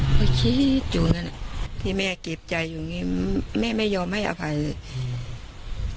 ก็คิดอยู่นั่นที่แม่เก็บใจอยู่นี่แม่ไม่ยอมให้อภัยเลย